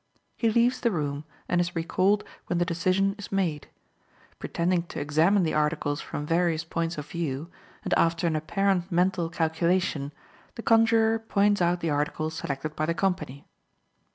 He leaves the room and is recalled when the decision is made. Pretending to examine the articles from various points of view, and after an apparent mental calculation, the conjurer points out the article selected by the company.